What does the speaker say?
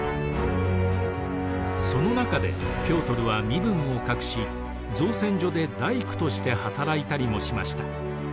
その中でピョートルは身分を隠し造船所で大工として働いたりもしました。